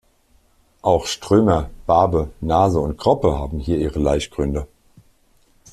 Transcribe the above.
Auch Strömer, Barbe, Nase und Groppe haben hier ihre Laichgründe.